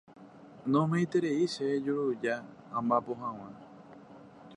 Nome'ẽieterei chéve juruja amba'apo hag̃ua.